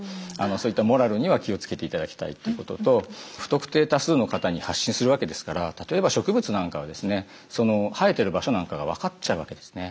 そういったモラルには気を付けて頂きたいということと不特定多数の方に発信するわけですから例えば植物なんかはですね生えてる場所なんかが分かっちゃうわけですね。